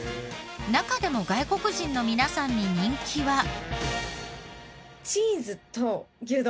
中でも外国人の皆さんに人気は。